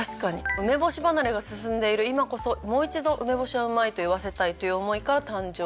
梅干し離れが進んでいる今こそもう一度梅干しはうまいと言わせたいという思いから誕生。